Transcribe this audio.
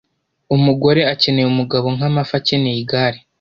Umugore akeneye umugabo nkamafi akeneye igare